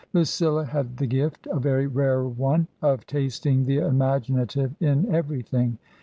Lucilla had the gift — ^a very rare one — of tasting the imaginative in everything.